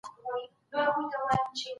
ایا نوي کروندګر وچه الوچه خرڅوي؟